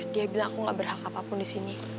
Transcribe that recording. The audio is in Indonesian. dia bilang aku gak berhak apa apa di sini